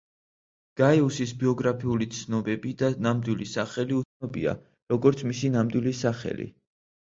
გაიუსის ბიოგრაფიული ცნობები და ნამდვილი სახელი უცნობია, როგორც მისი ნამდვილი სახელი.